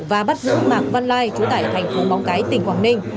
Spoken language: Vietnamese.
và bắt giữ mạc văn lai trú tại thành phố móng cái tỉnh quảng ninh